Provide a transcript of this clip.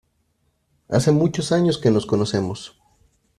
Hace muchos años que nos conocemos.